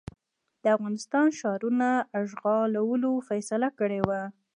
د افغانستان ښارونو اشغالولو فیصله کړې وه.